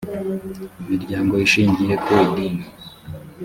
imiryango ishingiye ku idini